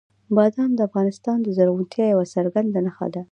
بادام د افغانستان د زرغونتیا یوه څرګنده نښه ده.